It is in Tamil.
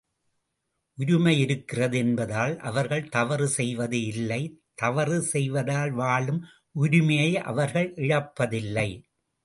உரிமை இருக்கிறது என்பதால் அவர்கள் தவறு செய்வது இல்லை தவறு செய்வதால் வாழும் உரிமையை அவர்கள் இழப்பதில்லை.